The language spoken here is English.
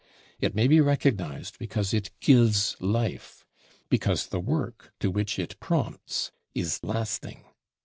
It may be recognized because it gives life; because the work to which it prompts is lasting.